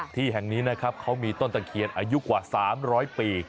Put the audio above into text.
ที่แห่งนี้นะครับเขามีต้นตะเคียนอายุกว่า๓๐๐ปี